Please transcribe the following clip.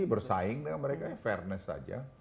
tapi bersaing dengan mereka fairness saja